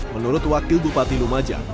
menurut wakil bupati lumajang